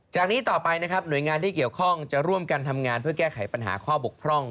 จากนี้ต่อไปนะครับหน่วยงานที่เกี่ยวข้องจะร่วมกันทำงานเพื่อแก้ไขปัญหาข้อบกพร่อง